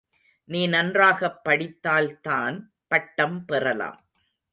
நீ நன்றாகப் படித்தால்தான் பட்டம் பெறலாம்.